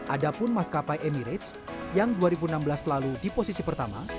ada pun maskapai emirates yang dua ribu enam belas lalu di posisi pertama